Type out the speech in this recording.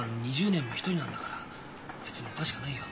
２０年も独りなんだから別におかしかないよ。